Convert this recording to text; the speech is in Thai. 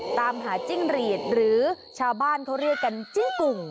ตามหาจิ้งหรีดหรือชาวบ้านเขาเรียกกันจิ้งกุ่ง